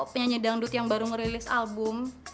penyanyi dangdut yang baru ngerilis album